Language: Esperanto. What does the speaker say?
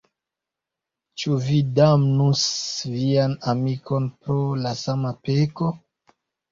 Ĉu vi damnus vian amikon pro la sama peko?